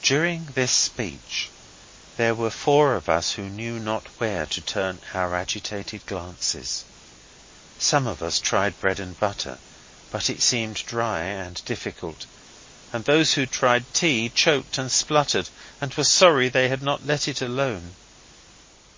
During this speech there were four of us who knew not where to turn our agitated glances. Some of us tried bread and butter, but it seemed dry and difficult, and those who tried tea choked and spluttered and were sorry they had not let it alone.